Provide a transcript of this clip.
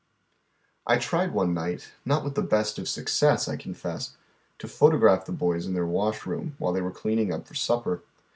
I tried one night, not with the best of success I con fess, to photograph the boys in their wash room, while they were cleaning up for supper.